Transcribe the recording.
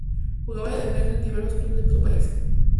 Jugaba de defensa en diversos clubes de su país.